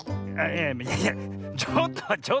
いやちょっとはちょっとだよ。